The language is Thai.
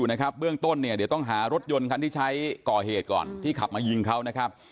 เดี๋ยวต้องหารถยนต์การที่ใช้ก่อเหตุก่อนที่ขับมายิงเขานะครับ